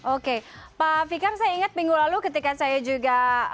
oke pak fikar saya ingat minggu lalu ketika saya juga